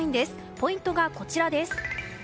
ポイントがこちら。